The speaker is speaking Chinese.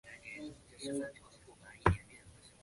为二级大检察官。